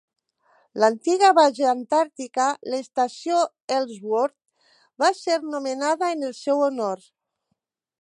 L'antiga base antàrtica, l'estació Ellsworth, va ser nomenada en el seu honor.